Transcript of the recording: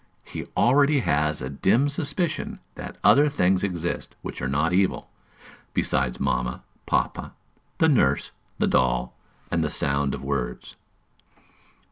He already has a dim suspicion that other things exist which are not evil, besides mamma, papa, the nurse, the doll, and the sound of words.